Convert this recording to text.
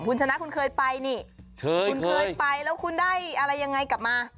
คุณชนะคุณเคยไปนี่คุณเคยไปแล้วคุณได้อะไรยังไงกลับมา